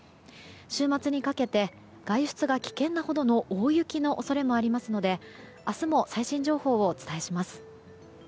週末にかけて外出が危険なほどの大雪の恐れもありますので明日も最新情報をお伝えします。